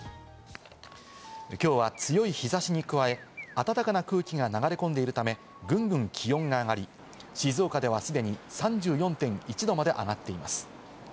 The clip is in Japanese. きょうは強い日差しに加え、暖かな空気が流れ込んでいるため、ぐんぐん気温が上がり、静岡では既に３４．１℃まで上がっています。